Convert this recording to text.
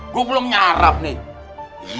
gua belum nyarap nih